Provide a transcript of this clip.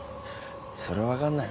それは分かんないよ。